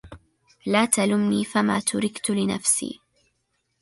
لا تلمني فما تركت لنفسي